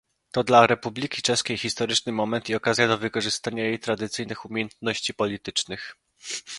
To dla Republiki Czeskiej historyczny moment i okazja do wykorzystania jej tradycyjnych umiejętności politycznych